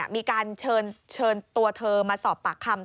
มีการเชิญตัวเธอมาสอบปากคำ